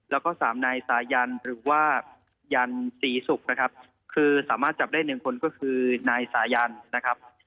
แล้วก็สามนายสายันหรือว่ายันศรีศุกร์นะครับคือสามารถจับได้หนึ่งคนก็คือนายสายันนะครับ